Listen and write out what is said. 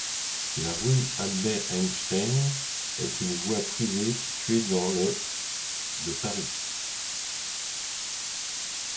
La rue Albert-Einstein est une voie privée située dans le de Paris.